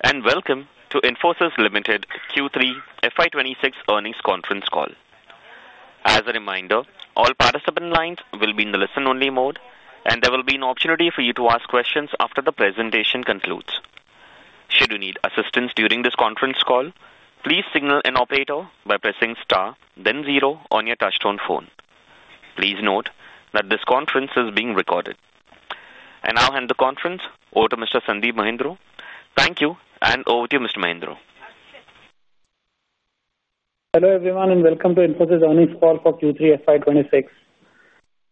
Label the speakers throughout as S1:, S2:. S1: Good day, and welcome to Infosys Limited Q3 FY 2026 Earnings Conference Call. As a reminder, all participant lines will be in the listen-only mode, and there will be an opportunity for you to ask questions after the presentation concludes. Should you need assistance during this conference call, please signal an operator by pressing star, then zero on your touch-tone phone. Please note that this conference is being recorded, and I'll hand the conference over to Mr. Sandeep Mahindroo. Thank you, and over to you, Mr. Mahindroo.
S2: Hello everyone, and welcome to Infosys earnings call for Q3 FY 2026.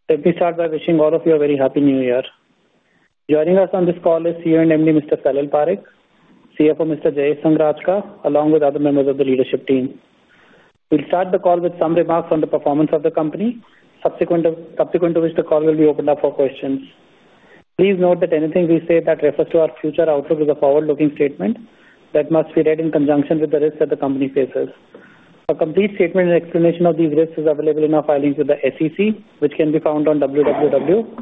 S2: Let me start by wishing all of you a very happy new year. Joining us on this call is CEO and MD, Mr. Salil Parekh, CFO, Mr. Jayesh Sanghrajka, along with other members of the leadership team. We'll start the call with some remarks on the performance of the company, subsequent to which the call will be opened up for questions. Please note that anything we say that refers to our future outlook is a forward-looking statement that must be read in conjunction with the risks that the company faces. A complete statement and explanation of these risks is available in our filings with the SEC, which can be found on www.sec.gov.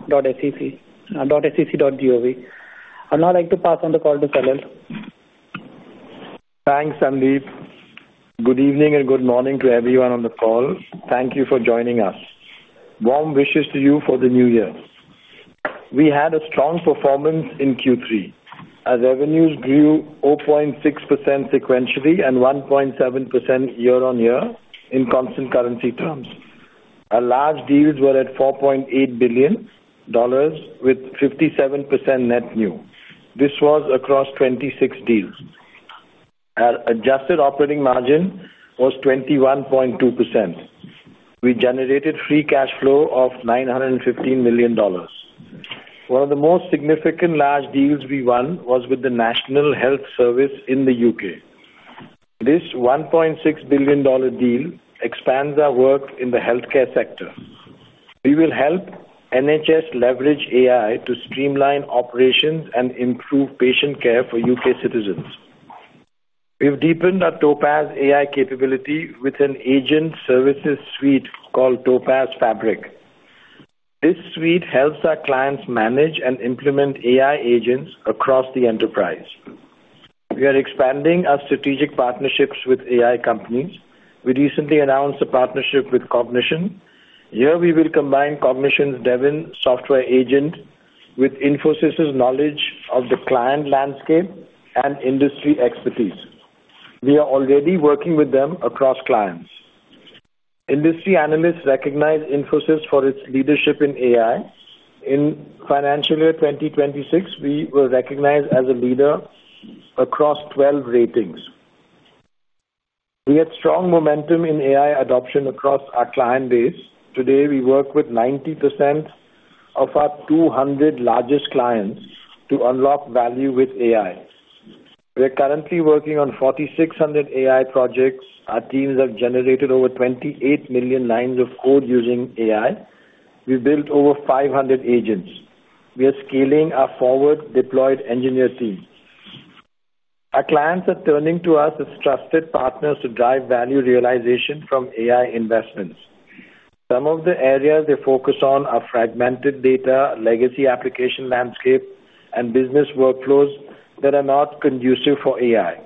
S2: I'd now like to pass on the call to Salil.
S3: Thanks, Sandeep. Good evening and good morning to everyone on the call. Thank you for joining us. Warm wishes to you for the new year. We had a strong performance in Q3. Our revenues grew 0.6% sequentially and 1.7% year-on-year in constant currency terms. Our large deals were at $4.8 billion, with 57% net new. This was across 26 deals. Our adjusted operating margin was 21.2%. We generated free cash flow of $915 million. One of the most significant large deals we won was with the National Health Service in the U.K. This $1.6 billion deal expands our work in the healthcare sector. We will help NHS leverage AI to streamline operations and improve patient care for U.K. citizens. We've deepened our Topaz AI capability with an agent services suite called Topaz Fabric. This suite helps our clients manage and implement AI agents across the enterprise. We are expanding our strategic partnerships with AI companies. We recently announced a partnership with Cognition. Here, we will combine Cognition's Devin software agent with Infosys' knowledge of the client landscape and industry expertise. We are already working with them across clients. Industry analysts recognize Infosys for its leadership in AI. In financial year 2026, we were recognized as a leader across 12 ratings. We had strong momentum in AI adoption across our client base. Today, we work with 90% of our 200 largest clients to unlock value with AI. We're currently working on 4,600 AI projects. Our teams have generated over 28 million lines of code using AI. We built over 500 agents. We are scaling our forward-deployed engineer team. Our clients are turning to us as trusted partners to drive value realization from AI investments. Some of the areas they focus on are fragmented data, legacy application landscape, and business workflows that are not conducive for AI.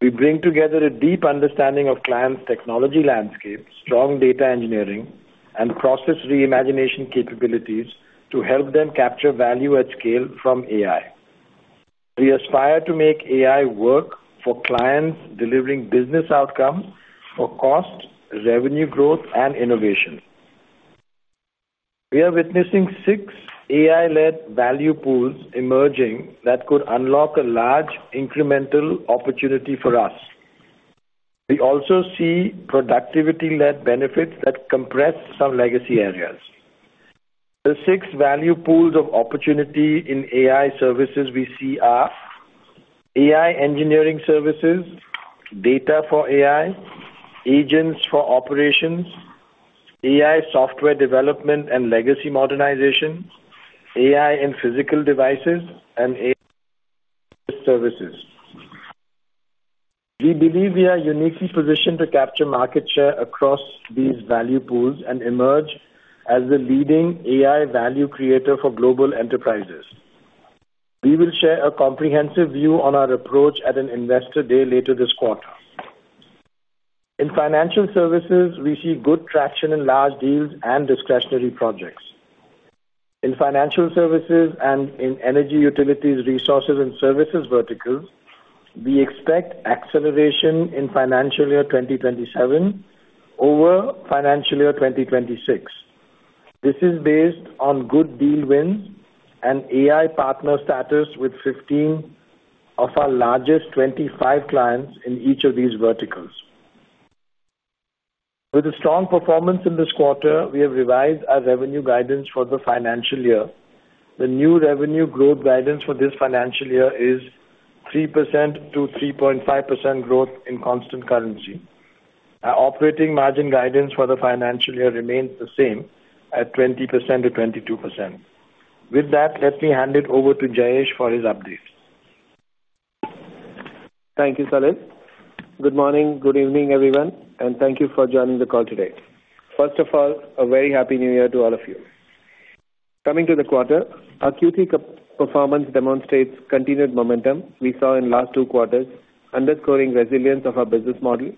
S3: We bring together a deep understanding of clients' technology landscape, strong data engineering, and process reimagination capabilities to help them capture value at scale from AI. We aspire to make AI work for clients, delivering business outcomes for cost, revenue growth, and innovation. We are witnessing six AI-led value pools emerging that could unlock a large incremental opportunity for us. We also see productivity-led benefits that compress some legacy areas. The six value pools of opportunity in AI services we see are AI engineering services, data for AI, agents for operations, AI software development and legacy modernization, AI and physical devices, and AI services. We believe we are uniquely positioned to capture market share across these value pools and emerge as the leading AI value creator for global enterprises. We will share a comprehensive view on our approach at an investor day later this quarter. In Financial Services, we see good traction in large deals and discretionary projects. In Financial Services and in Energy, Utilities, Resources, and Services verticals, we expect acceleration in financial year 2027 over financial year 2026. This is based on good deal wins and AI partner status with 15 of our largest 25 clients in each of these verticals. With a strong performance in this quarter, we have revised our revenue guidance for the financial year. The new revenue growth guidance for this financial year is 3%-3.5% growth in constant currency. Our operating margin guidance for the financial year remains the same at 20%-22%. With that, let me hand it over to Jayesh for his updates.
S4: Thank you, Salil. Good morning, good evening, everyone, and thank you for joining the call today. First of all, a very happy new year to all of you. Coming to the quarter, our Q3 performance demonstrates continued momentum we saw in the last two quarters, underscoring resilience of our business model,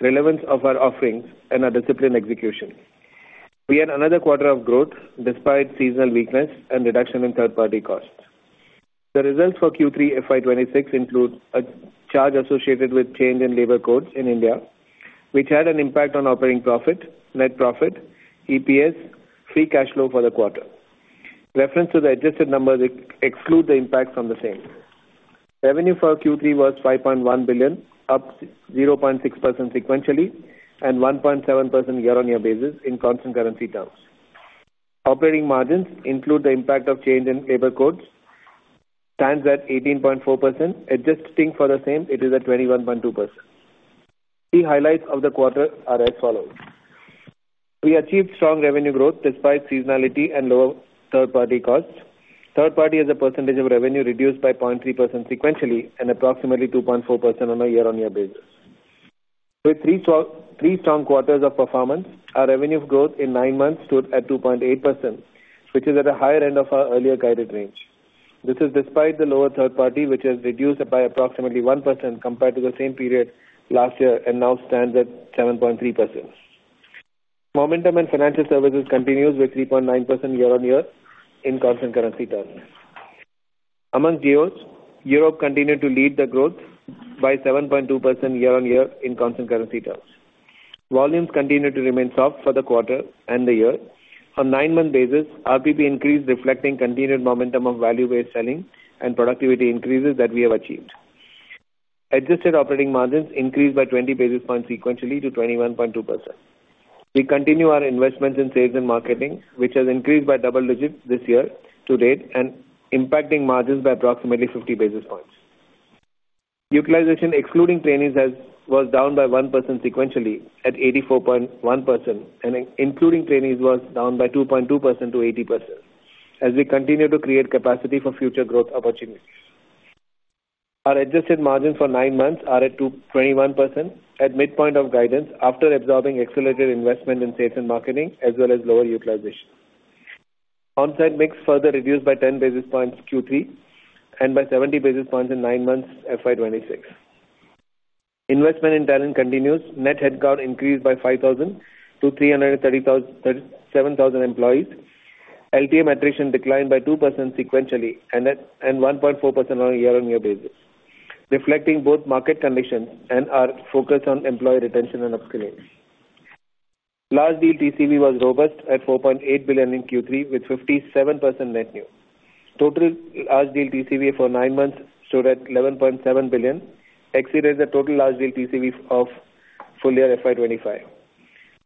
S4: relevance of our offerings, and our disciplined execution. We had another quarter of growth despite seasonal weakness and reduction in third-party costs. The results for Q3 FY 2026 include a charge associated with change in labor codes in India, which had an impact on operating profit, net profit, EPS, and free cash flow for the quarter. Reference to the adjusted numbers excludes the impact from the same. Revenue for Q3 was $5.1 billion, up 0.6% sequentially and 1.7% year-on-year basis in constant currency terms. Operating margins include the impact of change in labor codes stands at 18.4%. Adjusting for the same, it is at 21.2%. Key highlights of the quarter are as follows. We achieved strong revenue growth despite seasonality and lower third-party costs. Third-party is a percentage of revenue reduced by 0.3% sequentially and approximately 2.4% on a year-on-year basis. With three strong quarters of performance, our revenue growth in nine months stood at 2.8%, which is at a higher end of our earlier guided range. This is despite the lower third-party, which has reduced by approximately 1% compared to the same period last year and now stands at 7.3%. Momentum in Financial Services continues with 3.9% year-on-year in constant currency terms. Among Geos, Europe continued to lead the growth by 7.2% year-on-year in constant currency terms. Volumes continue to remain soft for the quarter and the year. On a nine-month basis, RPP increased, reflecting continued momentum of value-based selling and productivity increases that we have achieved. Adjusted operating margins increased by 20 basis points sequentially to 21.2%. We continue our investments in sales and marketing, which has increased by double digits this year to date and impacting margins by approximately 50 basis points. Utilization, excluding trainees, was down by 1% sequentially at 84.1%, and including trainees was down by 2.2% to 80% as we continue to create capacity for future growth opportunities. Our adjusted margins for nine months are at 21% at midpoint of guidance after absorbing accelerated investment in sales and marketing, as well as lower utilization. On-site mix further reduced by 10 basis points Q3 and by 70 basis points in nine months FY 2026. Investment in talent continues. Net headcount increased by 5,000 to 337,000 employees. LTM attrition declined by 2% sequentially and 1.4% on a year-on-year basis, reflecting both market conditions and our focus on employee retention and upskilling. Large deal TCV was robust at $4.8 billion in Q3 with 57% net new. Total large deal TCV for nine months stood at $11.7 billion, exceeded the total large deal TCV of full year FY 2025.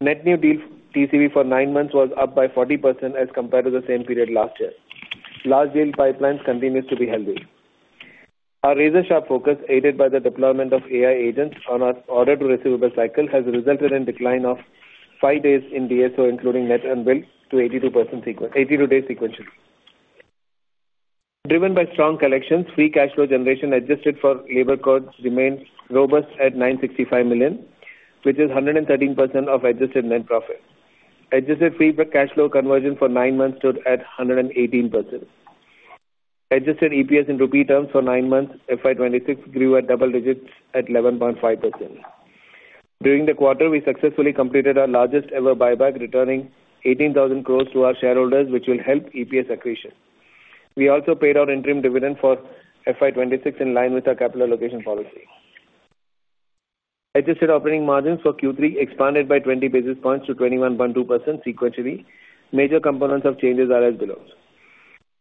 S4: Net new deal TCV for nine months was up by 40% as compared to the same period last year. Large deal pipelines continue to be healthy. Our razor-sharp focus, aided by the deployment of AI agents on our order-to-receivable cycle, has resulted in a decline of five days in DSO, including net new, to 82 days sequentially. Driven by strong collections, free cash flow generation adjusted for labor codes remains robust at $965 million, which is 113% of adjusted net profit. Adjusted free cash flow conversion for nine months stood at 118%. Adjusted EPS in Rupee terms for nine months FY 2026 grew at double digits at 11.5%. During the quarter, we successfully completed our largest-ever buyback, returning 18,000 crores to our shareholders, which will help EPS accretion. We also paid our interim dividend for FY 2026 in line with our capital allocation policy. Adjusted operating margins for Q3 expanded by 20 basis points to 21.2% sequentially. Major components of changes are as below.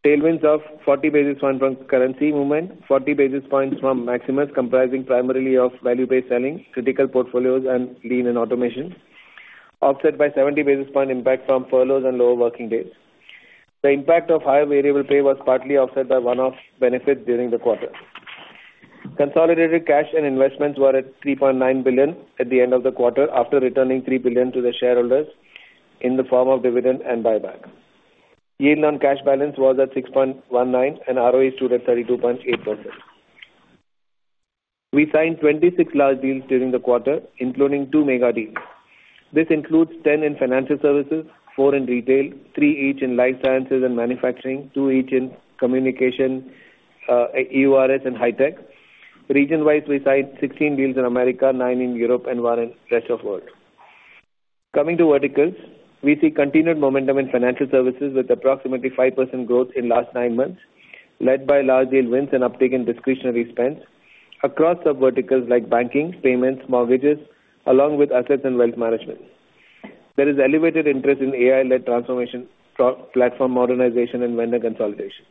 S4: Tailwinds of 40 basis points from currency movement, 40 basis points from Maximus comprising primarily of value-based selling, critical portfolios, and lean and automation, offset by 70 basis points impact from furloughs and lower working days. The impact of higher variable pay was partly offset by one-off benefits during the quarter. Consolidated cash and investments were at $3.9 billion at the end of the quarter after returning $3 billion to the shareholders in the form of dividend and buyback. Yield on cash balance was at 6.19%, and ROE stood at 32.8%. We signed 26 large deals during the quarter, including two mega deals. This includes 10 in Financial Services, 4 in Retail, 3 each in Life Sciences and Manufacturing, 2 each in Communications, EURS, and Hi-Tech. Region-wise, we signed 16 deals in Americas, 9 in Europe, and 1 in rest of world. Coming to verticals, we see continued momentum in Financial Services with approximately 5% growth in the last nine months, led by large deal wins and uptake in discretionary spends across sub-verticals like banking, payments, mortgages, along with assets and wealth management. There is elevated interest in AI-led transformation, platform modernization, and vendor consolidation.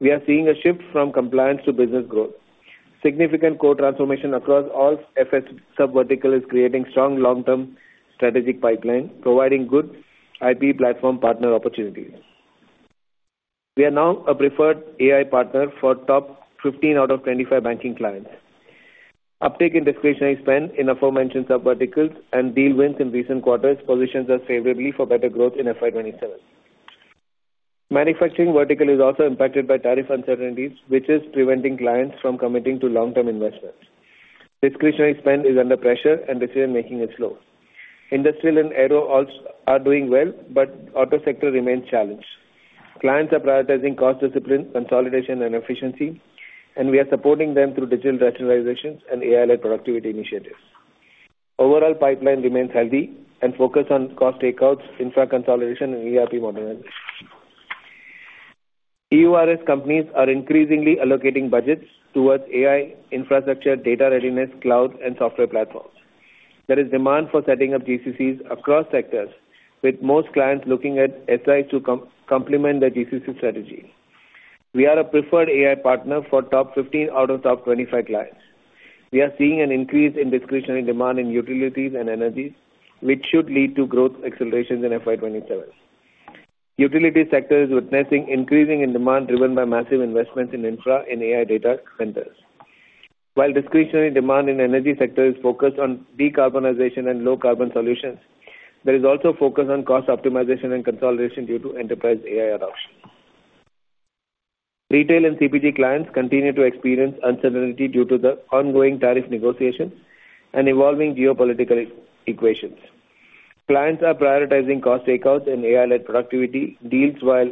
S4: We are seeing a shift from compliance to business growth. Significant core transformation across all FS sub-verticals is creating strong long-term strategic pipeline, providing good IP platform partner opportunities. We are now a preferred AI partner for top 15 out of 25 banking clients. Uptake in discretionary spend in aforementioned sub-verticals and deal wins in recent quarters positions us favorably for better growth in FY 2027. Manufacturing vertical is also impacted by tariff uncertainties, which is preventing clients from committing to long-term investments. Discretionary spend is under pressure, and decision-making is slow. Industrial and Aero are doing well, but the auto sector remains challenged. Clients are prioritizing cost discipline, consolidation, and efficiency, and we are supporting them through digital rationalizations and AI-led productivity initiatives. Overall pipeline remains healthy and focused on cost takeouts, infra consolidation, and ERP modernization. EURS companies are increasingly allocating budgets towards AI infrastructure, data readiness, cloud, and software platforms. There is demand for setting up GCCs across sectors, with most clients looking at SI to complement the GCC strategy. We are a preferred AI partner for top 15 out of top 25 clients. We are seeing an increase in discretionary demand in utilities and energies, which should lead to growth accelerations in FY 2027. Utility sector is witnessing increasing demand driven by massive investments in infra and AI data centers. While discretionary demand in the energy sector is focused on decarbonization and low-carbon solutions, there is also focus on cost optimization and consolidation due to enterprise AI adoption. Retail and CPG clients continue to experience uncertainty due to the ongoing tariff negotiations and evolving geopolitical equations. Clients are prioritizing cost takeouts and AI-led productivity deals while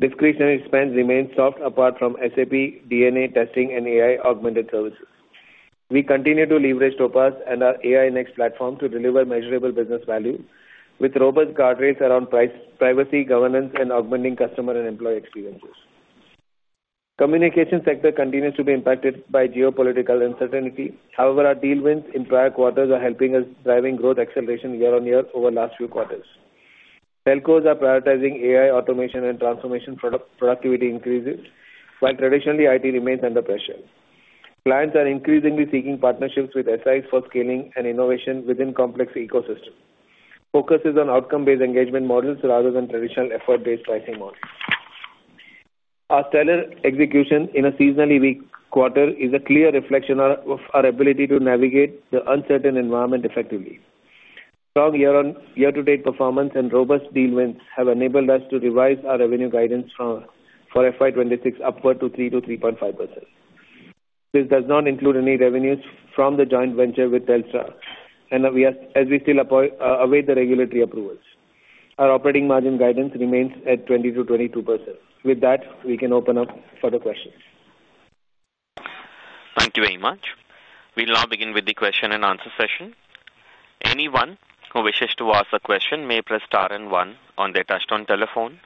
S4: discretionary spend remains soft apart from SAP D&A testing and AI augmented services. We continue to leverage Topaz and our AI Next platform to deliver measurable business value with robust guardrails around privacy, governance, and augmenting customer and employee experiences. Communication sector continues to be impacted by geopolitical uncertainty. However, our deal wins in prior quarters are helping us drive growth acceleration year-on-year over the last few quarters. Telcos are prioritizing AI automation and transformation productivity increases, while traditionally IT remains under pressure. Clients are increasingly seeking partnerships with SIs for scaling and innovation within complex ecosystems. Focus is on outcome-based engagement models rather than traditional effort-based pricing models. Our stellar execution in a seasonally weak quarter is a clear reflection of our ability to navigate the uncertain environment effectively. Strong year-to-date performance and robust deal wins have enabled us to revise our revenue guidance for FY 2026 upward to 3%-3.5%. This does not include any revenues from the joint venture with Telstra, as we still await the regulatory approvals. Our operating margin guidance remains at 20%-22%. With that, we can open up for the questions.
S1: Thank you very much. We'll now begin with the question and answer session. Anyone who wishes to ask a question may press star and one on their touch-tone telephone.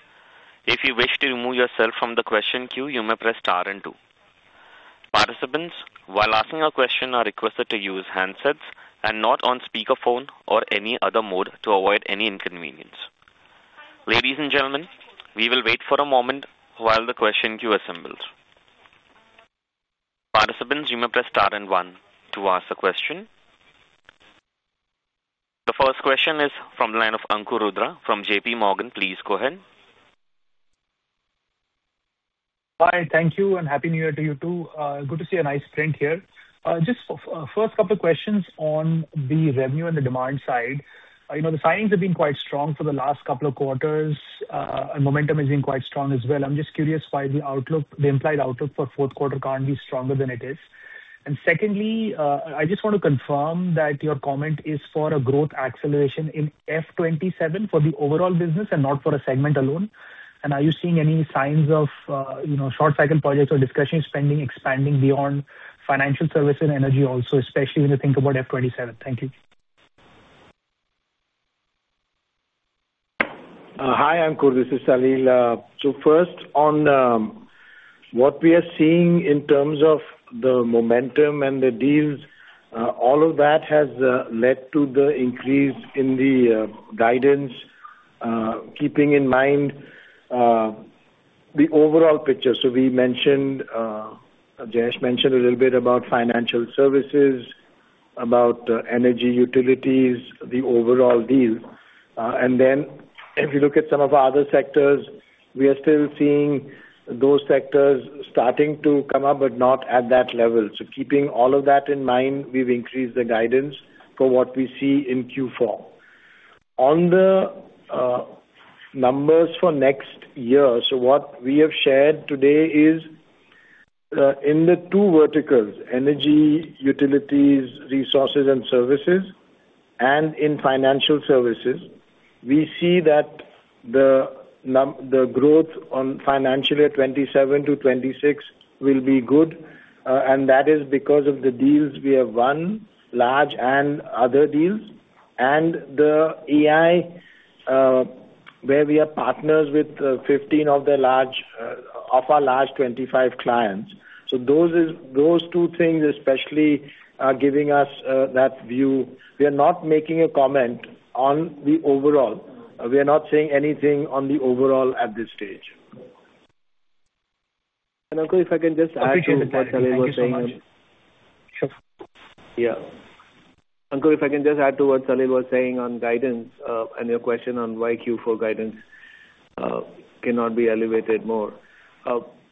S1: If you wish to remove yourself from the question queue, you may press star and two. Participants, while asking a question, are requested to use handsets and not on speakerphone or any other mode to avoid any inconvenience. Ladies and gentlemen, we will wait for a moment while the question queue assembles. Participants, you may press star and one to ask a question. The first question is from the line of Ankur Rudra from J.P. Morgan. Please go ahead.
S5: Hi, thank you, and Happy New Year to you too. Good to see a nice print here. Just first couple of questions on the revenue and the demand side. The signings have been quite strong for the last couple of quarters, and momentum has been quite strong as well. I'm just curious why the implied outlook for fourth quarter can't be stronger than it is. And secondly, I just want to confirm that your comment is for a growth acceleration in F 2027 for the overall business and not for a segment alone. And are you seeing any signs of short-cycle projects or discretionary spending expanding beyond Financial Services and energy also, especially when you think about F 2027? Thank you.
S3: Hi, Ankur. This is Salil. So first, on what we are seeing in terms of the momentum and the deals, all of that has led to the increase in the guidance, keeping in mind the overall picture. So Jayesh mentioned a little bit about Financial Services, about energy, utilities, the overall deal. And then if you look at some of our other sectors, we are still seeing those sectors starting to come up, but not at that level. So keeping all of that in mind, we've increased the guidance for what we see in Q4. On the numbers for next year, so what we have shared today is in the two verticals, energy, utilities, resources, and services, and in Financial Services, we see that the growth on financial year 2026 to 2027 will be good. And that is because of the deals we have won, large and other deals, and the AI where we are partners with 15 of our large 25 clients. So those two things especially are giving us that view. We are not making a comment on the overall. We are not saying anything on the overall at this stage.
S4: And Ankur, if I can just add to what Salil was saying--
S5: Yeah.
S4: Ankur, if I can just add to what Salil was saying on guidance and your question on why Q4 guidance cannot be elevated more.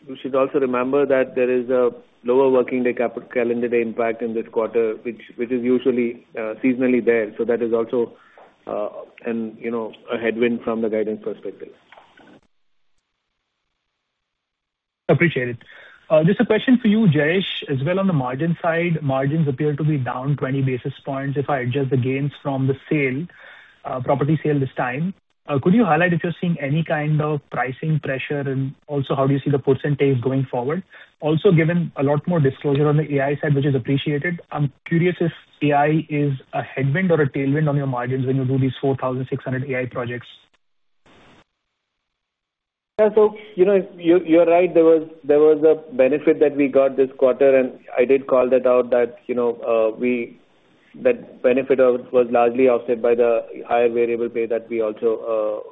S4: We should also remember that there is a lower working day calendar day impact in this quarter, which is usually seasonally there. So that is also a headwind from the guidance perspective.
S5: Appreciate it. Just a question for you, Jayesh. As well, on the margin side, margins appear to be down 20 basis points if I adjust the gains from the property sale this time. Could you highlight if you're seeing any kind of pricing pressure, and also how do you see the percentage going forward? Also, given a lot more disclosure on the AI side, which is appreciated, I'm curious if AI is a headwind or a tailwind on your margins when you do these 4,600 AI projects?
S4: Yeah. So you're right. There was a benefit that we got this quarter, and I did call that out that the benefit was largely offset by the higher variable pay that we also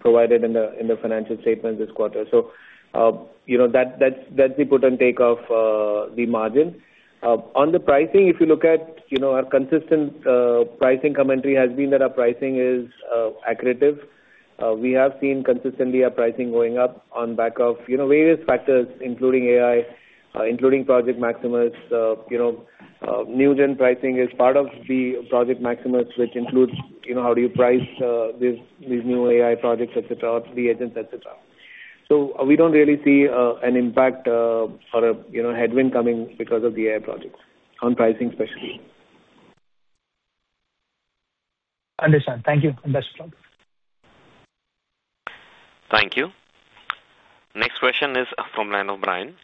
S4: provided in the financial statements this quarter. So that's the put and take of the margin. On the pricing, if you look at our consistent pricing commentary, it has been that our pricing is accretive. We have seen consistently our pricing going up on back of various factors, including AI, including Project Maximus. New Gen pricing is part of the Project Maximus, which includes how do you price these new AI projects, etc., the agents, etc. So we don't really see an impact or a headwind coming because of the AI projects on pricing especially.
S5: Understand. Thank you. Best of luck.
S1: Thank you. Next question is from Bryan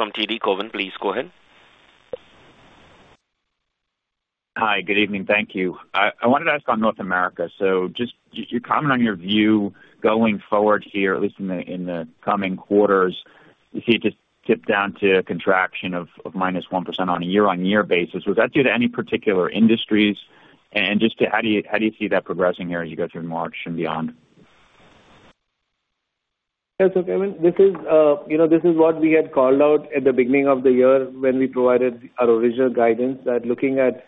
S1: Bergin from TD Cowen. Please go ahead.
S6: Hi. Good evening. Thank you. I wanted to ask on North America. So just your comment on your view going forward here, at least in the coming quarters, you see it just tip down to a contraction of minus 1% on a year-on-year basis. Would that be due to any particular industries? And just how do you see that progressing here as you go through March and beyond?
S4: That's okay. This is what we had called out at the beginning of the year when we provided our original guidance, that looking at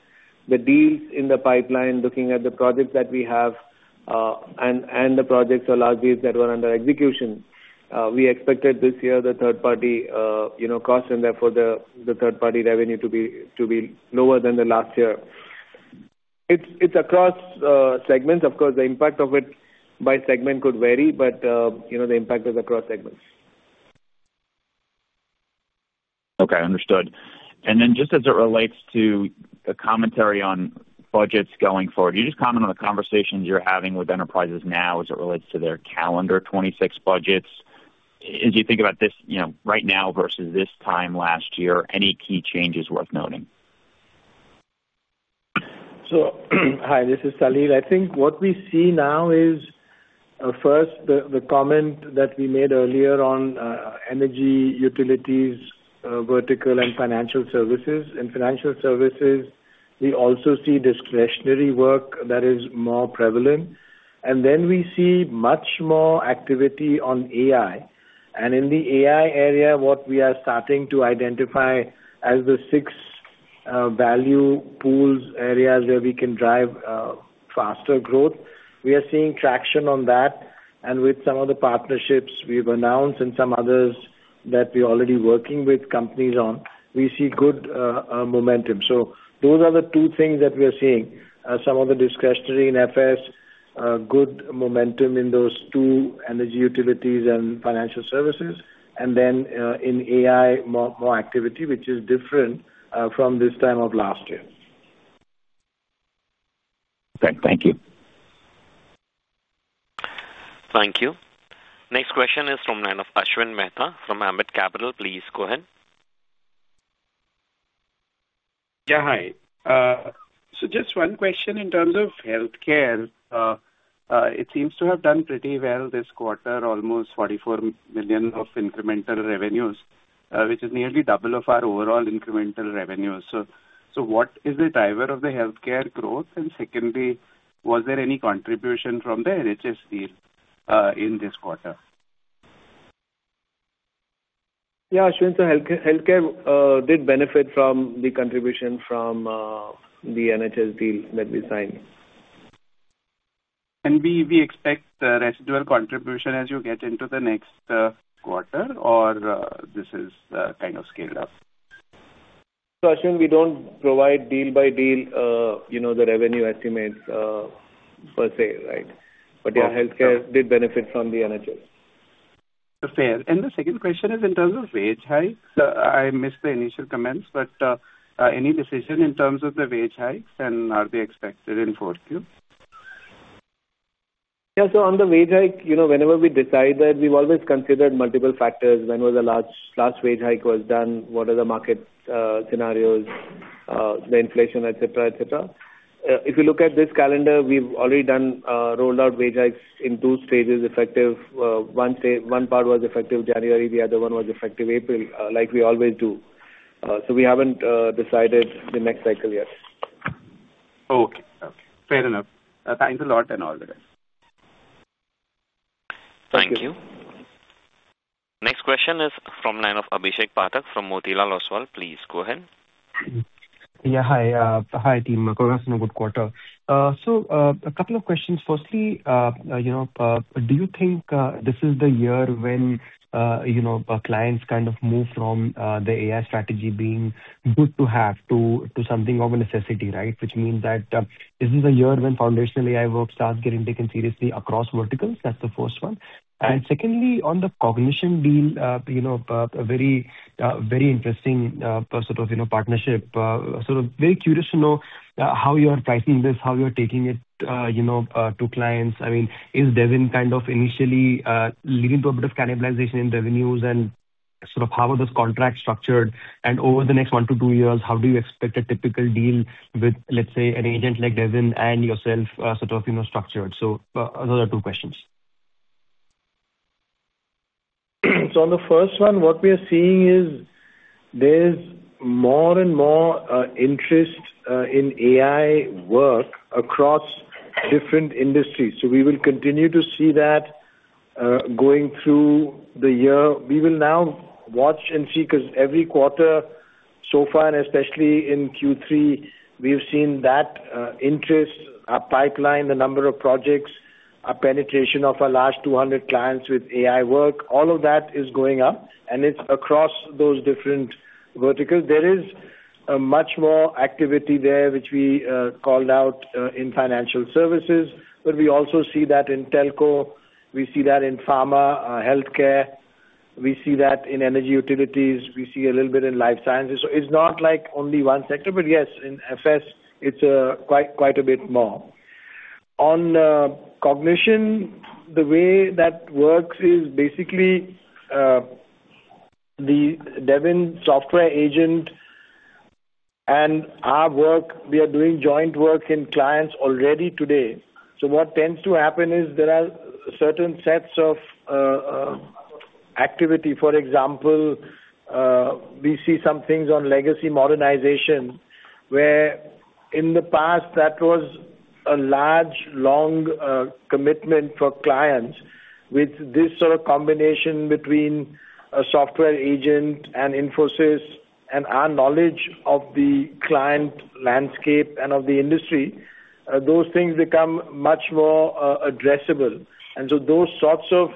S4: the deals in the pipeline, looking at the projects that we have, and the projects or large deals that were under execution. We expected this year the third-party cost and therefore the third-party revenue to be lower than the last year. It's across segments. Of course, the impact of it by segment could vary, but the impact is across segments.
S6: Okay. Understood. And then just as it relates to the commentary on budgets going forward, you just comment on the conversations you're having with enterprises now as it relates to their calendar 2026 budgets? As you think about this right now versus this time last year, any key changes worth noting?
S3: So hi. This is Salil. I think what we see now is, first, the comment that we made earlier on Energy, Utilities Vertical, and Financial Services. In Financial Services, we also see discretionary work that is more prevalent. And then we see much more activity on AI. And in the AI area, what we are starting to identify as the six value pools areas where we can drive faster growth. We are seeing traction on that. And with some of the partnerships we've announced and some others that we're already working with companies on, we see good momentum. So those are the two things that we are seeing. Some of the discretionary in FS, good momentum in those two: Energy, Utilities, and Financial Services. And then in AI, more activity, which is different from this time of last year.
S6: Okay. Thank you.
S1: Thank you. Next question is from Ashwin Mehta from Ambit Capital. Please go ahead.
S7: Yeah. Hi, so just one question in terms of healthcare. It seems to have done pretty well this quarter, almost $44 million of incremental revenues, which is nearly double of our overall incremental revenue, so what is the driver of the healthcare growth? And secondly, was there any contribution from the NHS deal in this quarter?
S4: Yeah. So healthcare did benefit from the contribution from the NHS deal that we signed.
S7: We expect residual contribution as you get into the next quarter, or this is kind of scaled up?
S3: So Ashwin, we don't provide deal-by-deal the revenue estimates per se, right? But yeah, healthcare did benefit from the NHS.
S7: Fair, and the second question is in terms of wage hikes. I missed the initial comments, but any decision in terms of the wage hikes, and are they expected in fourth year?
S4: Yeah. So on the wage hike, whenever we decide that, we've always considered multiple factors. When was the last wage hike was done? What are the market scenarios, the inflation, etc., etc.? If you look at this calendar, we've already done rolled out wage hikes in two stages. One part was effective January. The other one was effective April, like we always do. So we haven't decided the next cycle yet.
S7: Okay. Fair enough. Thanks a lot and all the best.
S1: Thank you. Next question is from Abhishek Pathak from Motilal Oswal. Please go ahead.
S8: Yeah. Hi. Hi, team. Congrats on a good quarter. So a couple of questions. Firstly, do you think this is the year when clients kind of move from the AI strategy being good to have to something of a necessity, right, which means that this is a year when foundational AI work starts getting taken seriously across verticals? That's the first one. And secondly, on the Cognition deal, a very interesting sort of partnership. So very curious to know how you're pricing this, how you're taking it to clients. I mean, is Devin kind of initially leading to a bit of cannibalization in revenues and sort of how are those contracts structured? And over the next one to two years, how do you expect a typical deal with, let's say, an agent like Devin and yourself sort of structured? So those are two questions.
S3: So on the first one, what we are seeing is there's more and more interest in AI work across different industries. So we will continue to see that going through the year. We will now watch and see because every quarter, so far, and especially in Q3, we have seen that interest, our pipeline, the number of projects, our penetration of our last 200 clients with AI work, all of that is going up. And it's across those different verticals. There is much more activity there, which we called out in Financial Services. But we also see that in telco. We see that in pharma, healthcare. We see that in energy utilities. We see a little bit in Life Sciences. So it's not like only one sector, but yes, in FS, it's quite a bit more. On Cognition, the way that works is basically the Devin software agent and our work. We are doing joint work in clients already today. So what tends to happen is there are certain sets of activity. For example, we see some things on legacy modernization where in the past, that was a large, long commitment for clients. With this sort of combination between a software agent and Infosys and our knowledge of the client landscape and of the industry, those things become much more addressable. And so those sorts of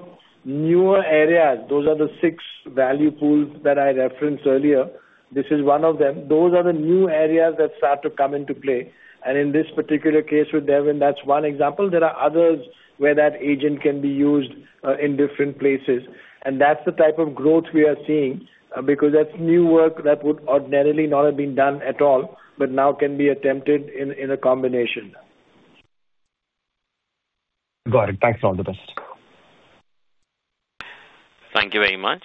S3: newer areas, those are the six value pools that I referenced earlier. This is one of them. Those are the new areas that start to come into play. And in this particular case with Devin, that's one example. There are others where that agent can be used in different places. That's the type of growth we are seeing because that's new work that would ordinarily not have been done at all, but now can be attempted in a combination.
S8: Got it. Thanks a lot. The best.
S1: Thank you very much.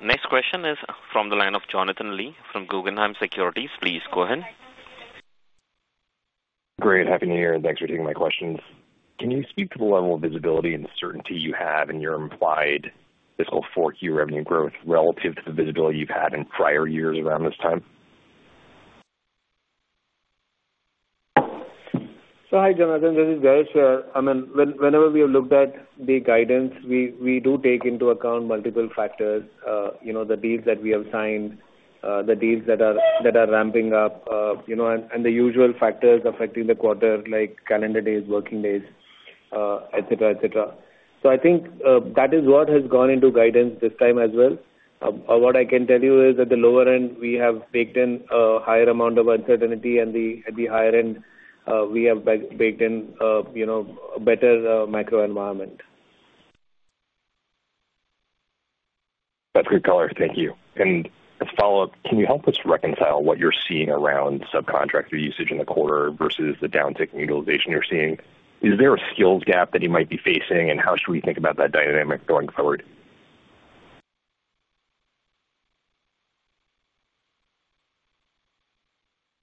S1: Next question is from the line of Jonathan Lee from Guggenheim Securities. Please go ahead.
S9: Great. Happy New Year. Thanks for taking my questions. Can you speak to the level of visibility and certainty you have in your implied FY 2024 revenue growth relative to the visibility you've had in prior years around this time?
S4: Hi, Jonathan. This is Jayesh. I mean, whenever we have looked at the guidance, we do take into account multiple factors: the deals that we have signed, the deals that are ramping up, and the usual factors affecting the quarter like calendar days, working days, etc., etc. I think that is what has gone into guidance this time as well. What I can tell you is at the lower end, we have baked in a higher amount of uncertainty, and at the higher end, we have baked in a better macro environment.
S9: That's good color. Thank you. And as a follow-up, can you help us reconcile what you're seeing around subcontractor usage in the quarter versus the downtick in utilization you're seeing? Is there a skills gap that you might be facing, and how should we think about that dynamic going forward?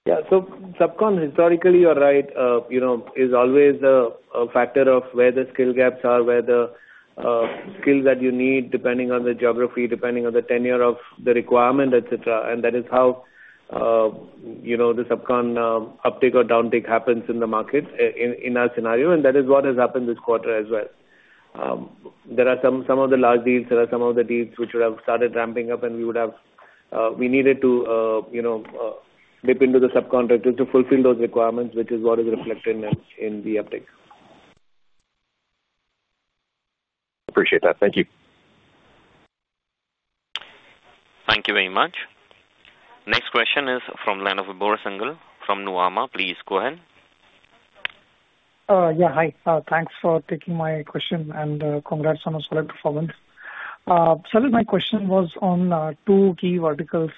S4: Yeah. So subcon historically, you're right, is always a factor of where the skill gaps are, where the skill that you need depending on the geography, depending on the tenure of the requirement, etc., and that is how the subcon uptake or downtake happens in the market in our scenario, and that is what has happened this quarter as well. There are some of the large deals. There are some of the deals which would have started ramping up, and we needed to dip into the subcontractors to fulfill those requirements, which is what is reflected in the uptake.
S9: Appreciate that. Thank you.
S1: Thank you very much. Next question is from Vibhor Singhal from Nuvama. Please go ahead.
S10: Yeah. Hi. Thanks for taking my question and congrats on a solid performance. So my question was on two key Verticals,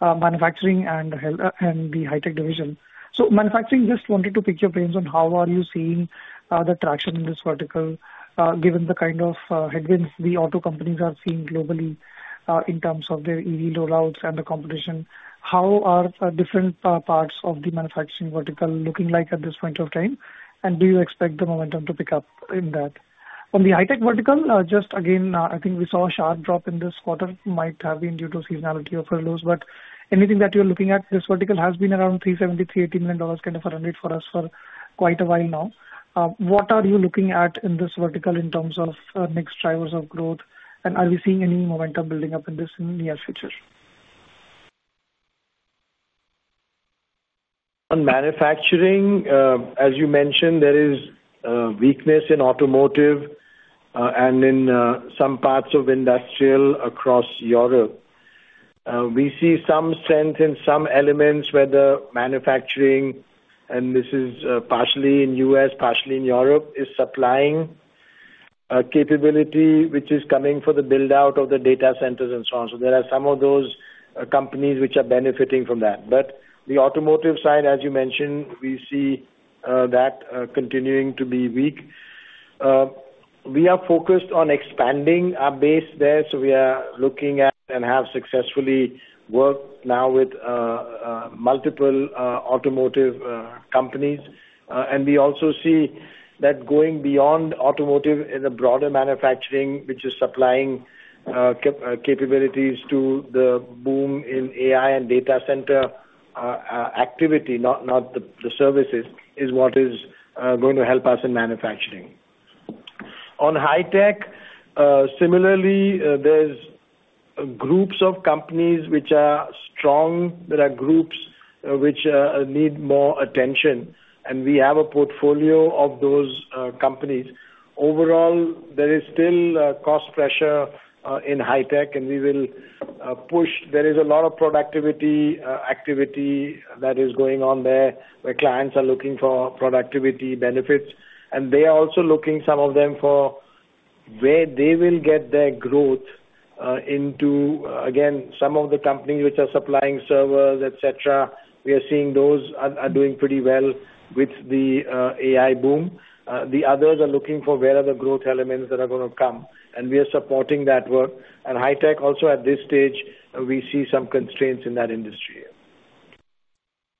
S10: Manufacturing and the Hi-Tech division. So Manufacturing, just wanted to pick your brains on how are you seeing the traction in this vertical given the kind of headwinds the auto companies are seeing globally in terms of their EV rollouts and the competition? How are different parts of the Manufacturing vertical looking like at this point of time? And do you expect the momentum to pick up in that? On the Hi-Tech vertical, just again, I think we saw a sharp drop in this quarter. Might have been due to seasonality or furloughs. But anything that you're looking at, this vertical has been around $370 million-$380 million kind of a run rate for us for quite a while now. What are you looking at in this vertical in terms of next drivers of growth, and are we seeing any momentum building up in this in the near future?
S3: On Manufacturing, as you mentioned, there is weakness in automotive and in some parts of industrial across Europe. We see some strength in some elements, whether Manufacturing, and this is partially in the U.S., partially in Europe, is supplying capability which is coming for the build-out of the data centers and so on. So there are some of those companies which are benefiting from that. But the automotive side, as you mentioned, we see that continuing to be weak. We are focused on expanding our base there. So we are looking at and have successfully worked now with multiple automotive companies. And we also see that going beyond automotive in the broader Manufacturing, which is supplying capabilities to the boom in AI and data center activity, not the services, is what is going to help us in Manufacturing. On Hi-Tech, similarly, there's groups of companies which are strong. There are groups which need more attention. And we have a portfolio of those companies. Overall, there is still cost pressure in Hi-Tech, and we will push. There is a lot of productivity activity that is going on there where clients are looking for productivity benefits. And they are also looking, some of them, for where they will get their growth into. Again, some of the companies which are supplying servers, etc., we are seeing those are doing pretty well with the AI boom. The others are looking for where are the growth elements that are going to come. And we are supporting that work. And Hi-Tech, also at this stage, we see some constraints in that industry.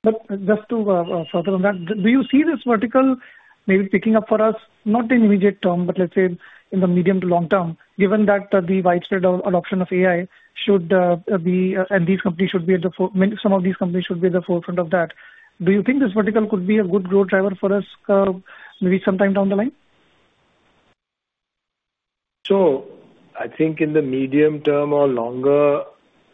S10: But just to further on that, do you see this vertical maybe picking up for us, not in immediate term, but let's say in the medium to long term, given that the widespread adoption of AI should be and these companies should be at the some of these companies should be at the forefront of that? Do you think this vertical could be a good growth driver for us maybe sometime down the line?
S3: I think in the medium term or longer,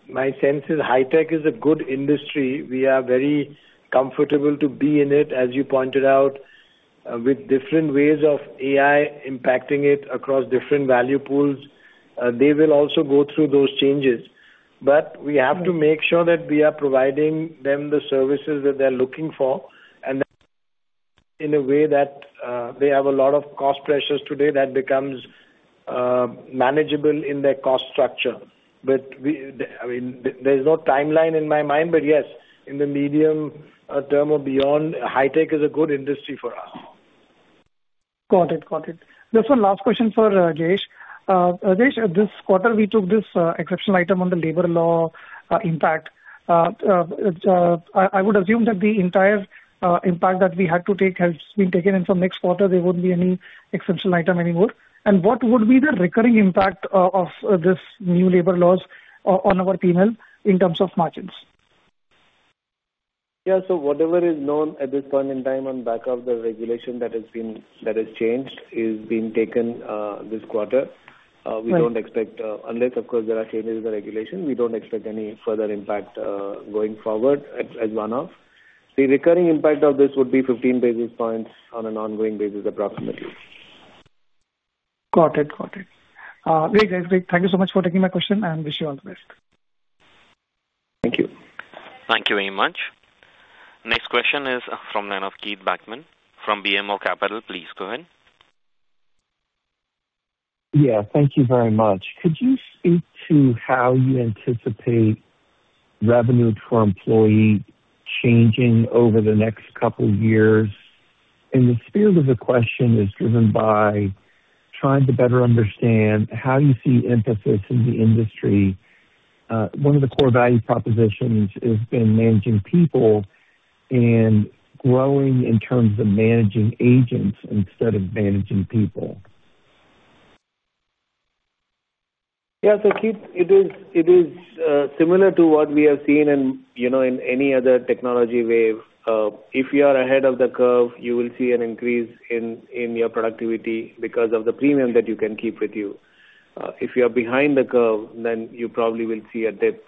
S3: my sense is Hi-Techis a good industry. We are very comfortable to be in it, as you pointed out, with different ways of AI impacting it across different value pools. They will also go through those changes. But we have to make sure that we are providing them the services that they're looking for and in a way that they have a lot of cost pressures today that becomes manageable in their cost structure. But I mean, there's no timeline in my mind, but yes, in the medium term or beyond, Hi-Tech is a good industry for us.
S10: Got it. Just one last question for Jayesh. Jayesh, this quarter, we took this exceptional item on the labor law impact. I would assume that the entire impact that we had to take has been taken in some next quarter. There won't be any exceptional item anymore. And what would be the recurring impact of this new labor laws on our team in terms of margins?
S4: Yeah. So whatever is known at this point in time on back of the regulation that has been changed is being taken this quarter. We don't expect, unless, of course, there are changes in the regulation, we don't expect any further impact going forward as one of. The recurring impact of this would be 15 basis points on an ongoing basis, approximately.
S10: Got it. Great, Jayesh. Thank you so much for taking my question, and wish you all the best.
S4: Thank you.
S1: Thank you very much. Next question is from Keith Bachman from BMO Capital. Please go ahead.
S11: Yeah. Thank you very much. Could you speak to how you anticipate revenue per employee changing over the next couple of years? And the spirit of the question is driven by trying to better understand how you see emphasis in the industry. One of the core value propositions has been managing people and growing in terms of managing agents instead of managing people.
S4: Yeah. So Keith, it is similar to what we have seen in any other technology wave. If you are ahead of the curve, you will see an increase in your productivity because of the premium that you can keep with you. If you are behind the curve, then you probably will see a dip.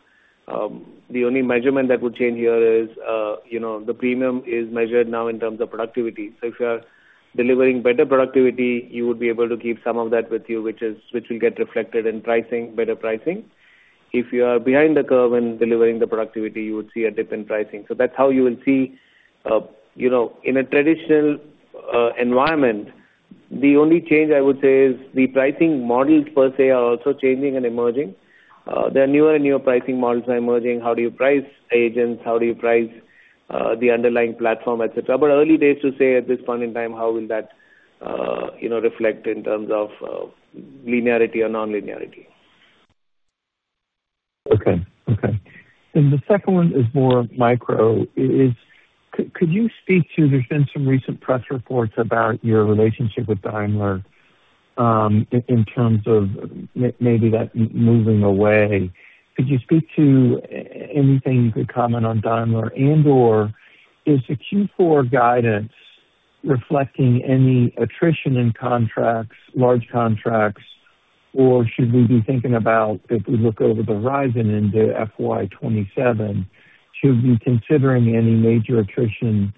S4: The only measurement that would change here is the premium is measured now in terms of productivity. So if you are delivering better productivity, you would be able to keep some of that with you, which will get reflected in better pricing. If you are behind the curve and delivering the productivity, you would see a dip in pricing. So that's how you will see in a traditional environment. The only change, I would say, is the pricing models per se are also changing and emerging. There are newer and newer pricing models that are emerging. How do you price agents? How do you price the underlying platform, etc.? But early days to say at this point in time, how will that reflect in terms of linearity or non-linearity?
S11: Okay. And the second one is more micro. Could you speak to there's been some recent press reports about your relationship with Daimler in terms of maybe that moving away? Could you speak to anything you could comment on Daimler and/or is the Q4 guidance reflecting any attrition in contracts, large contracts, or should we be thinking about if we look over the horizon into FY 2027, should we be considering any major attrition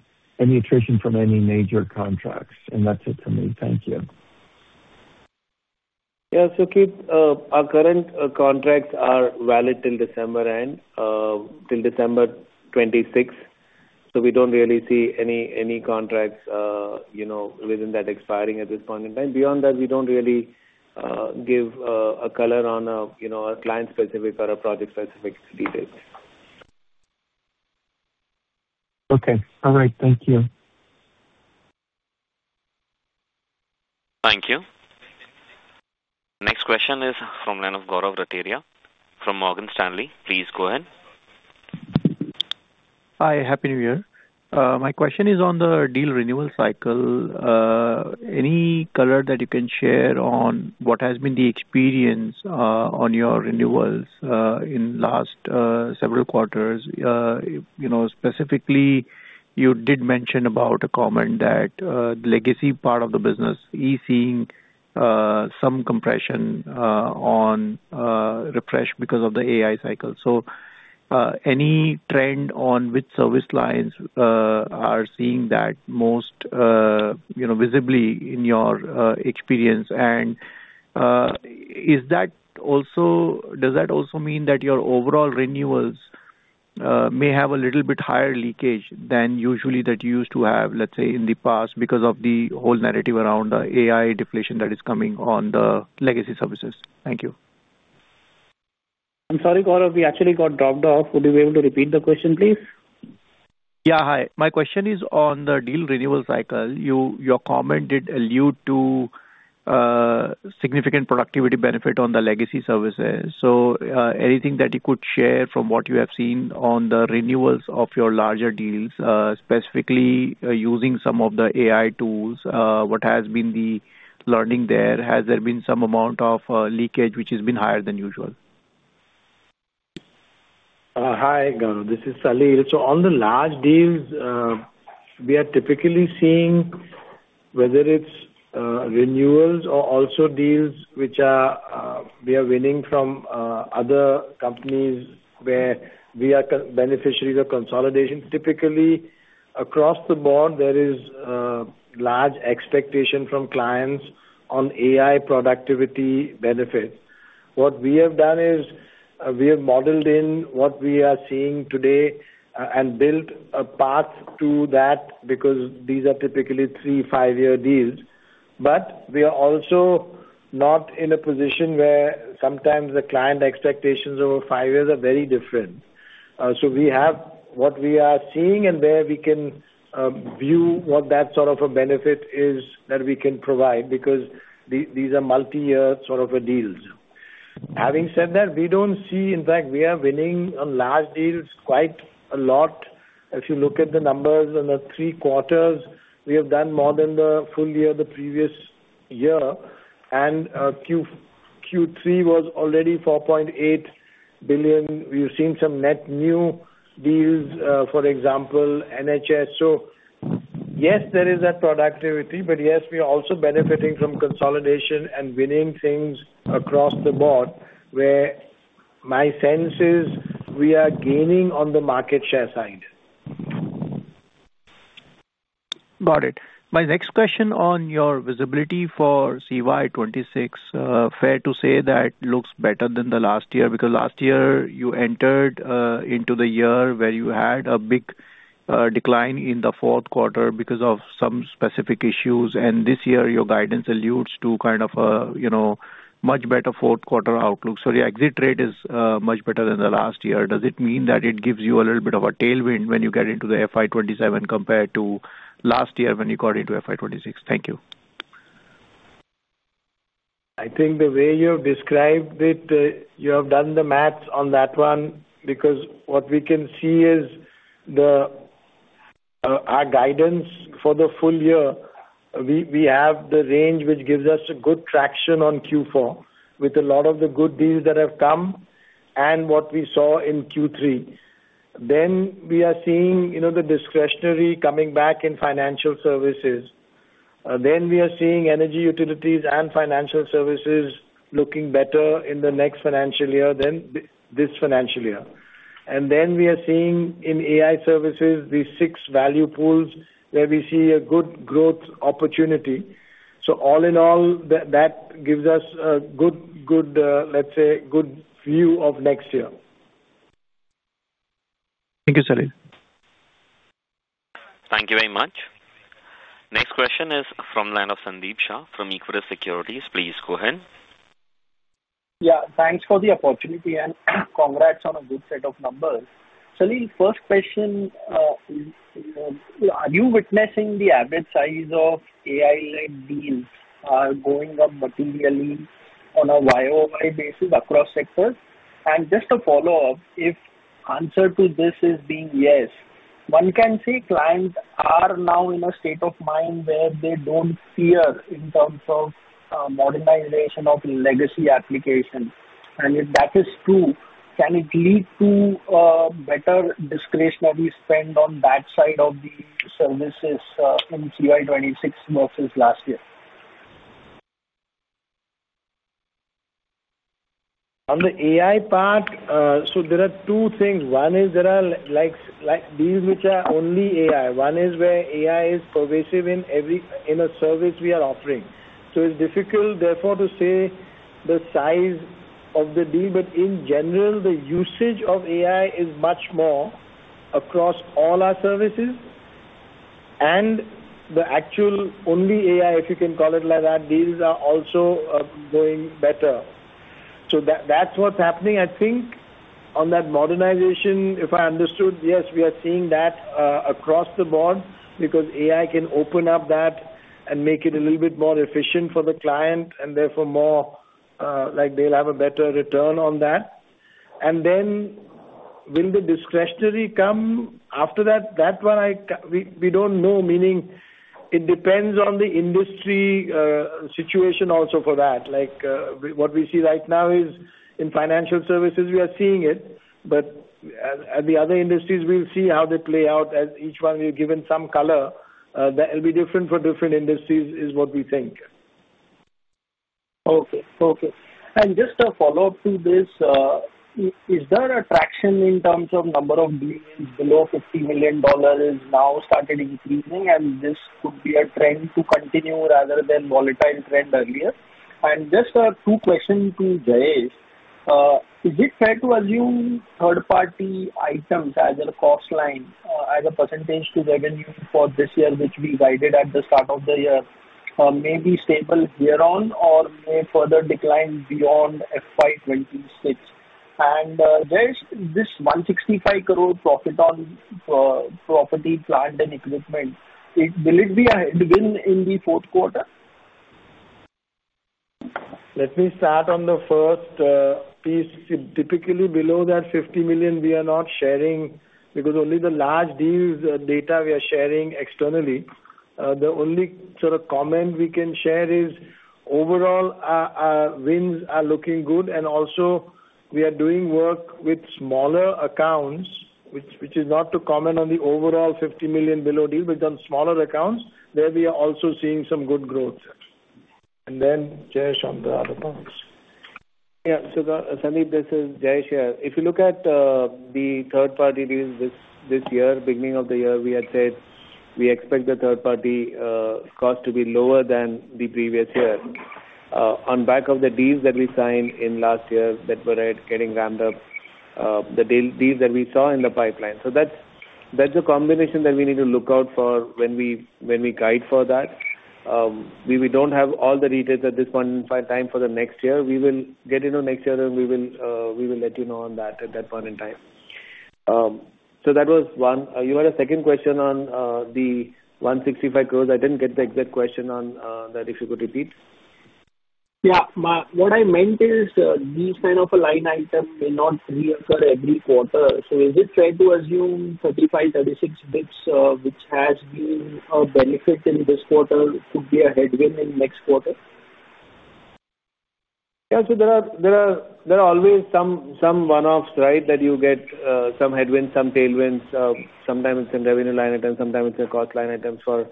S11: from any major contracts? And that's it for me. Thank you.
S4: Yeah. So Keith, our current contracts are valid till December end, till December 2026. So we don't really see any contracts within that expiring at this point in time. Beyond that, we don't really give a color on a client-specific or a project-specific detail.
S11: Okay. All right. Thank you.
S1: Thank you. Next question is from Gaurav Rateria from Morgan Stanley. Please go ahead.
S12: Hi. Happy New Year. My question is on the deal renewal cycle. Any color that you can share on what has been the experience on your renewals in the last several quarters? Specifically, you did mention about a comment that the legacy part of the business is seeing some compression on refresh because of the AI cycle. So any trend on which service lines are seeing that most visibly in your experience? And does that also mean that your overall renewals may have a little bit higher leakage than usually that you used to have, let's say, in the past because of the whole narrative around the AI deflation that is coming on the legacy services? Thank you.
S3: I'm sorry, Gaurav. We actually got dropped off. Would you be able to repeat the question, please?
S12: Yeah. Hi. My question is on the deal renewal cycle. Your comment did allude to significant productivity benefit on the legacy services. So anything that you could share from what you have seen on the renewals of your larger deals, specifically using some of the AI tools, what has been the learning there? Has there been some amount of leakage which has been higher than usual?
S3: Hi, Gaurav. This is Salil. So on the large deals, we are typically seeing whether it's renewals or also deals which we are winning from other companies where we are beneficiaries of consolidation. Typically, across the board, there is large expectation from clients on AI productivity benefit. What we have done is we have modeled in what we are seeing today and built a path to that because these are typically three, five-year deals. But we are also not in a position where sometimes the client expectations over five years are very different. So we have what we are seeing and where we can view what that sort of a benefit is that we can provide because these are multi-year sort of deals. Having said that, we don't see. In fact, we are winning on large deals quite a lot. If you look at the numbers in the three quarters, we have done more than the full year the previous year, and Q3 was already $4.8 billion. We've seen some net new deals, for example, NHS, so yes, there is that productivity, but yes, we are also benefiting from consolidation and winning things across the board where my sense is we are gaining on the market share side.
S12: Got it. My next question on your visibility for CY 2026, fair to say that looks better than the last year because last year you entered into the year where you had a big decline in the fourth quarter because of some specific issues. And this year, your guidance alludes to kind of a much better fourth quarter outlook. So your exit rate is much better than the last year. Does it mean that it gives you a little bit of a tailwind when you get into the FY 2027 compared to last year when you got into FY 2026? Thank you.
S3: I think the way you have described it, you have done the math on that one because what we can see is our guidance for the full year, we have the range which gives us good traction on Q4 with a lot of the good deals that have come and what we saw in Q3. Then we are seeing the discretionary coming back in Financial Services. Then we are seeing Energy, Utilities and Financial Services looking better in the next financial year than this financial year. And then we are seeing in AI services, the six value pools where we see a good growth opportunity. So all in all, that gives us a good, let's say, good view of next year.
S12: Thank you, Salil.
S1: Thank you very much. Next question is from Sandeep Shah from Equirus Securities. Please go ahead.
S13: Yeah. Thanks for the opportunity and congrats on a good set of numbers. Salil, first question, are you witnessing the average size of AI-led deals going up materially on a YoY basis across sectors? And just a follow-up, if the answer to this is being yes, one can say clients are now in a state of mind where they don't fear in terms of modernization of legacy applications. And if that is true, can it lead to a better discretionary spend on that side of the services in CY 2026 versus last year?
S3: On the AI part, so there are two things. One is there are deals which are only AI. One is where AI is pervasive in a service we are offering. So it's difficult, therefore, to say the size of the deal, but in general, the usage of AI is much more across all our services. And the actual only AI, if you can call it like that, deals are also going better. So that's what's happening. I think on that modernization, if I understood, yes, we are seeing that across the board because AI can open up that and make it a little bit more efficient for the client and therefore more like they'll have a better return on that. And then will the discretionary come after that? That one, we don't know, meaning it depends on the industry situation also for that. What we see right now is in Financial Services, we are seeing it, but the other industries, we'll see how they play out as each one we've given some color that will be different for different industries is what we think.
S13: Okay. And just a follow-up to this, is there traction in terms of number of deals below $50 million now started increasing, and this could be a trend to continue rather than volatile trend earlier? And just two questions to Jayesh. Is it fair to assume third-party items as a cost line, as a percentage to revenue for this year, which we guided at the start of the year, may be stable here on or may further decline beyond FY26? And Jayesh, this 165 crore profit on property, plant and equipment, will it be a win in the fourth quarter?
S3: Let me start on the first piece. Typically, below that $50 million, we are not sharing because only the large deals data we are sharing externally. The only sort of comment we can share is overall wins are looking good, and also we are doing work with smaller accounts, which is not to comment on the overall $50 million below deal, but on smaller accounts where we are also seeing some good growth. And then Jayesh on the other points.
S4: Yeah. So Salil, this is Jayesh here. If you look at the third-party deals this year, beginning of the year, we had said we expect the third-party cost to be lower than the previous year on back of the deals that we signed in last year that were getting ramped up, the deals that we saw in the pipeline. So that's a combination that we need to look out for when we guide for that. We don't have all the details at this point in time for the next year. We will get it next year, and we will let you know on that at that point in time. So that was one. You had a second question on the 165 crores. I didn't get the exact question on that, if you could repeat.
S13: Yeah. What I meant is these kind of line items may not reoccur every quarter. So is it fair to assume 35-36 basis points which has been a benefit in this quarter could be a headwind in next quarter?
S4: Yeah. So there are always some one-offs, right, that you get some headwinds, some tailwinds. Sometimes it's a revenue line item. Sometimes it's a cost line item for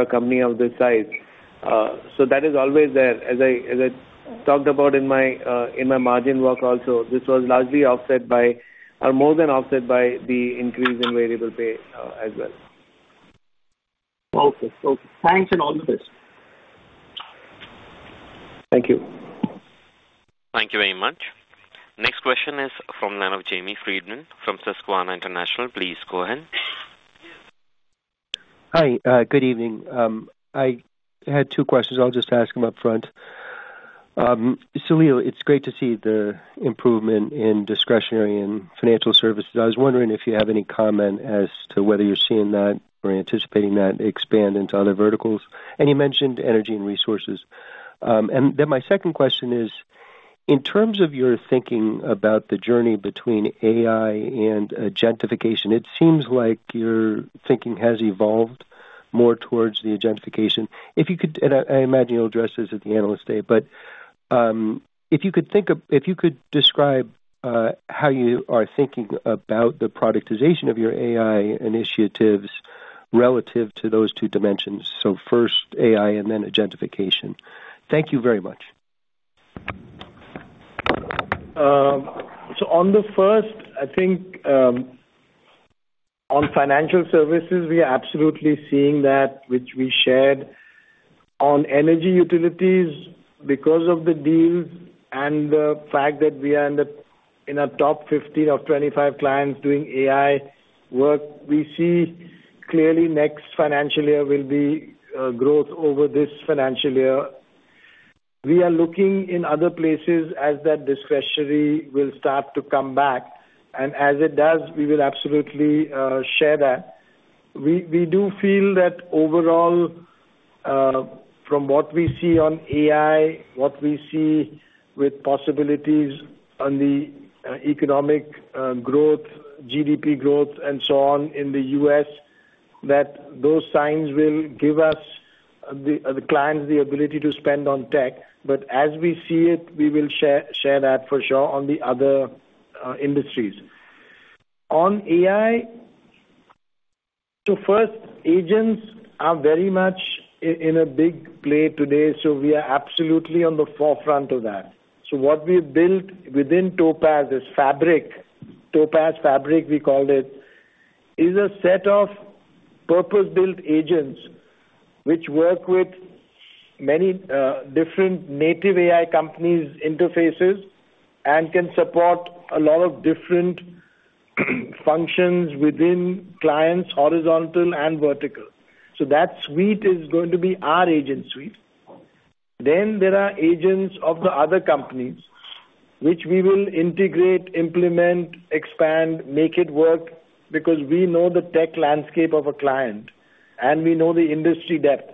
S4: a company of this size. So that is always there. As I talked about in my margin work also, this was largely offset by or more than offset by the increase in variable pay as well.
S13: Okay. Thanks for all of this.
S4: Thank you.
S1: Thank you very much. Next question is from Jamie Friedman from Susquehanna International Group. Please go ahead.
S14: Hi. Good evening. I had two questions. I'll just ask them upfront. Salil, it's great to see the improvement in Discretionary and Financial Services. I was wondering if you have any comment as to whether you're seeing that or anticipating that expand into other verticals. And you mentioned energy and resources. And then my second question is, in terms of your thinking about the journey between AI and agentification, it seems like your thinking has evolved more towards the agentification. If you could, and I imagine you'll address this at the analyst day, but if you could think of if you could describe how you are thinking about the productization of your AI initiatives relative to those two dimensions, so first AI and then agentification. Thank you very much.
S3: So on the first, I think on Financial Services, we are absolutely seeing that which we shared. On energy utilities, because of the deals and the fact that we are in a top 15 of 25 clients doing AI work, we see clearly next financial year will be growth over this financial year. We are looking in other places as that discretionary will start to come back. And as it does, we will absolutely share that. We do feel that overall, from what we see on AI, what we see with possibilities on the economic growth, GDP growth, and so on in the U.S., that those signs will give us the clients the ability to spend on tech. But as we see it, we will share that for sure on the other industries. On AI, so first, agents are very much in a big play today. We are absolutely on the forefront of that. What we have built within Topaz is Fabric. Topaz Fabric, we called it, is a set of purpose-built agents which work with many different native AI companies' interfaces and can support a lot of different functions within clients, horizontal and vertical. That suite is going to be our agent suite. Then there are agents of the other companies which we will integrate, implement, expand, make it work because we know the tech landscape of a client and we know the industry depth.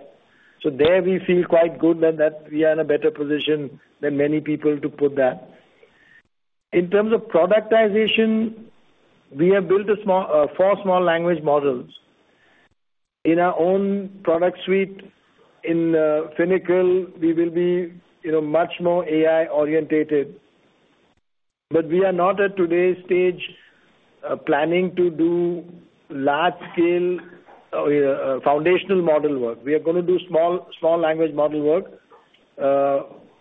S3: There we feel quite good that we are in a better position than many people to put that. In terms of productization, we have built four small language models in our own product suite. In Finacle, we will be much more AI-oriented. But we are not at today's stage planning to do large-scale foundational model work. We are going to do small language model work.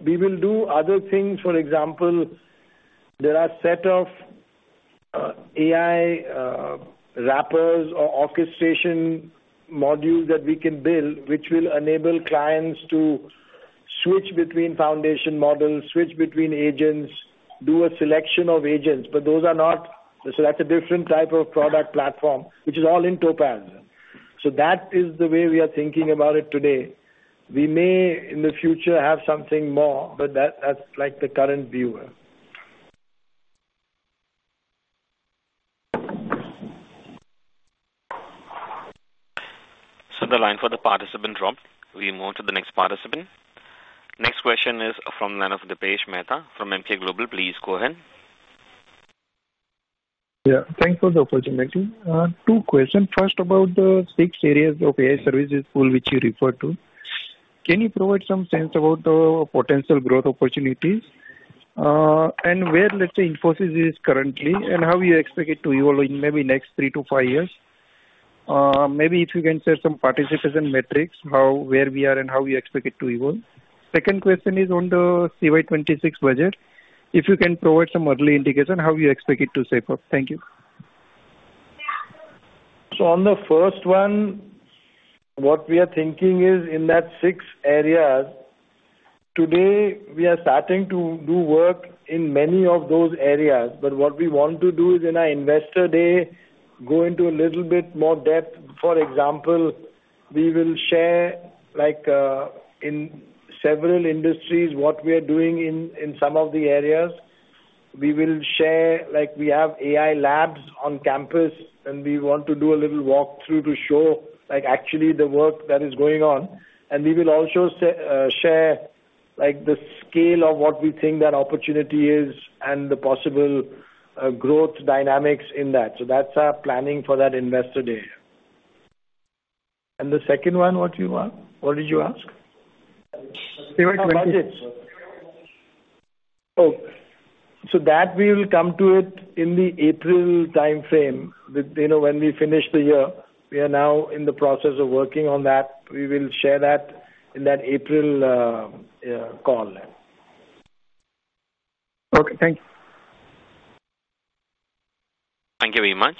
S3: We will do other things. For example, there are a set of AI wrappers or orchestration modules that we can build which will enable clients to switch between foundation models, switch between agents, do a selection of agents. But those are not so that's a different type of product platform, which is all in Topaz. So that is the way we are thinking about it today. We may in the future have something more, but that's the current view here.
S1: So the line for the participant dropped. We move on to the next participant. Next question is from Dipesh Mehta from Emkay Global. Please go ahead.
S15: Yeah. Thanks for the opportunity. Two questions. First, about the six areas of AI services pool which you referred to. Can you provide some sense about potential growth opportunities and where, let's say, Infosys is currently and how you expect it to evolve in maybe next three to five years? Maybe if you can share some participation metrics, where we are and how you expect it to evolve. Second question is on the CY 2026 budget. If you can provide some early indication, how you expect it to shape up? Thank you.
S3: So on the first one, what we are thinking is in those six areas. Today, we are starting to do work in many of those areas. But what we want to do is in our Investor Day, go into a little bit more depth. For example, we will share in several industries what we are doing in some of the areas. We will share we have AI labs on campus, and we want to do a little walkthrough to show actually the work that is going on. And we will also share the scale of what we think that opportunity is and the possible growth dynamics in that. So that's our planning for that Investor Day. And the second one, what did you ask?
S15: CY 2026.
S3: Oh, so that we will come to it in the April time frame when we finish the year. We are now in the process of working on that. We will share that in that April call.
S15: Okay. Thank you.
S1: Thank you very much.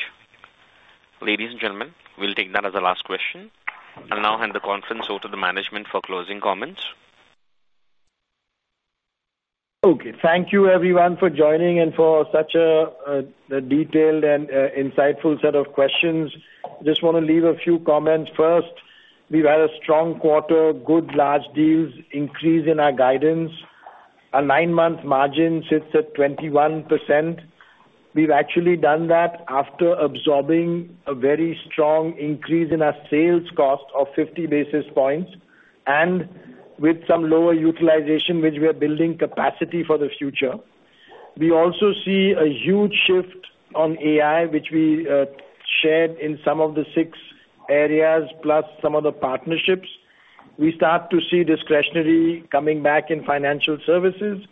S1: Ladies and gentlemen, we'll take that as a last question, and I'll hand the conference over to the management for closing comments.
S3: Okay. Thank you, everyone, for joining and for such a detailed and insightful set of questions. I just want to leave a few comments. First, we've had a strong quarter, good large deals, increase in our guidance. Our nine-month margin sits at 21%. We've actually done that after absorbing a very strong increase in our sales cost of 50 basis points and with some lower utilization, which we are building capacity for the future. We also see a huge shift on AI, which we shared in some of the six areas plus some of the partnerships. We start to see discretionary coming back in Financial Services.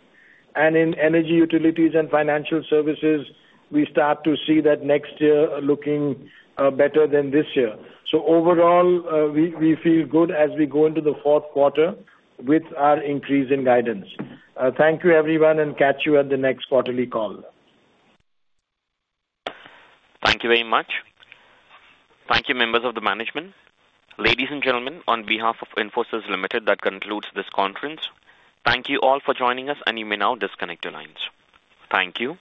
S3: And in Energy, Utilities and Financial Services, we start to see that next year looking better than this year. So overall, we feel good as we go into the fourth quarter with our increase in guidance. Thank you, everyone, and catch you at the next quarterly call.
S1: Thank you very much. Thank you, members of the management. Ladies and gentlemen, on behalf of Infosys Limited, that concludes this conference. Thank you all for joining us, and you may now disconnect your lines. Thank you.